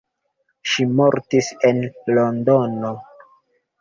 Ŝi mortis en Londono.